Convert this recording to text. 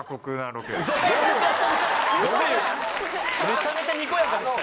めちゃめちゃにこやかでしたよ。